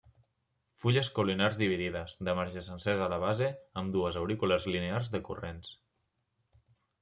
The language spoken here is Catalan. Fulles caulinars dividides, de marges sencers a la base, amb dues aurícules linears decurrents.